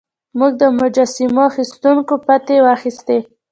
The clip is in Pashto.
موږ د مجسمو اخیستونکو پتې واخیستې.